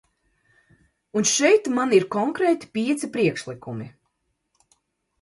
Un šeit man ir konkrēti pieci priekšlikumi.